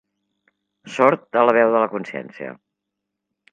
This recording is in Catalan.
Sord a la veu de la consciència.